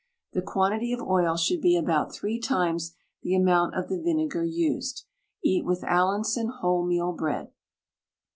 The quantity of oil should be about three times the amount of the vinegar used. Eat with Allinson wholemeal bread.